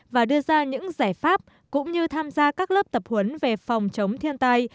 và đưa ra những giải pháp cũng như tham gia các lớp tập huấn về phòng chống thiên tai